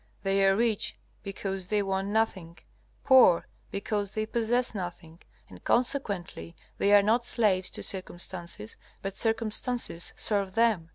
They are rich because they want nothing, poor because they possess nothing; and consequently they are not slaves to circumstances, but circumstances serve them.